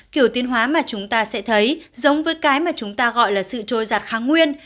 kiểu tiên hóa mà chúng ta sẽ thấy giống với cái mà chúng ta gọi là sự trôi giặt kháng nguyên